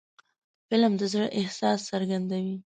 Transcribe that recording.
فلم د زړه احساس څرګندوي